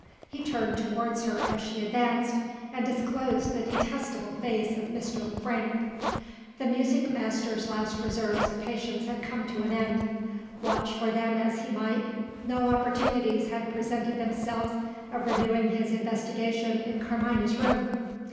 He turned towards her as she advanced, and disclosed the detestable face of Mr. Le Frank. The music master's last reserves of patience had come to an end. Watch for them as he might, no opportunities had presented themselves of renewing his investigation in Carmina's room.